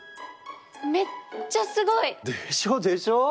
めっちゃすごい！でしょでしょ！